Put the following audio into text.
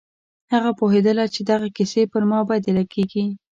هغه پوهېدله چې دغه کيسې پر ما بدې لگېږي.